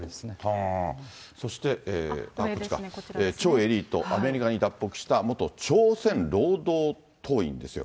そして、こっちか、超エリート、アメリカに脱北した元朝鮮労働党員ですよ。